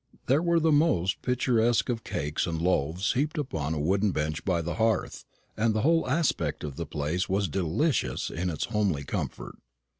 There were the most picturesque of cakes and loaves heaped on a wooden bench by the hearth, and the whole aspect of the place was delicious in its homely comfort.